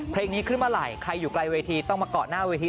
เพลงนี้ขึ้นเมื่อไหร่ใครอยู่ไกลเวทีต้องมาเกาะหน้าเวที